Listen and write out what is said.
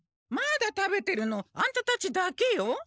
まだ食べてるのアンタたちだけよ。